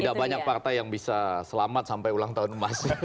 tidak banyak partai yang bisa selamat sampai ulang tahun emas